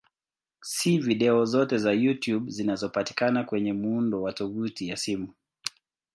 Si video zote za YouTube zinazopatikana kwenye muundo wa tovuti ya simu.